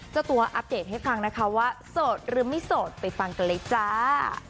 เจ้าตัวอัปเดตให้ฟังนะคะว่าโสดหรือไม่โสดไปฟังกันเลยจ้า